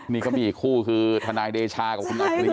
นี่ก็มีอีกคู่คือธนายเดชากับคุณอัจริยะด้วยนะ